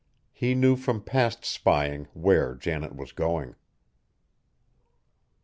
He knew from past spying where Janet was going!